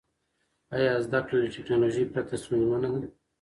آیا زده کړه له ټیکنالوژۍ پرته ستونزمنه ده؟